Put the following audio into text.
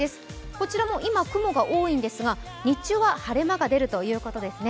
こちらも今は雲が多いんですが、日中は晴れ間が出るということですね。